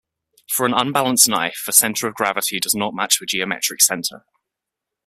For an unbalanced knife, the center of gravity does not match the geometric center.